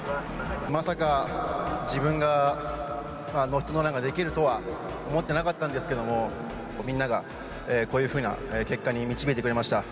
まさか自分がノーヒットノーランができるとは思ってなかったんですけれども、みんながこういうふうな結果に導いてくれました。